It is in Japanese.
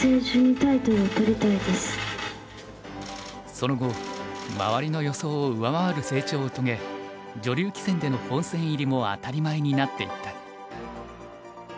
その後周りの予想を上回る成長を遂げ女流棋戦での本戦入りも当たり前になっていった。